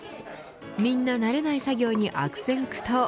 みんな慣れない作業に悪戦苦闘。